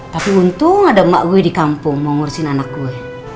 tapi untung ada emak gue di kampung mau ngurusin anak gue